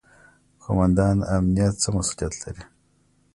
قوماندان امنیه څه مسوولیت لري؟